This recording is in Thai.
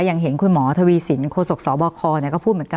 อย่างเห็นคุณหมอทวีสินโคศกสบคก็พูดเหมือนกัน